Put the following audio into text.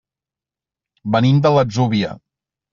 Venim de l'Atzúvia.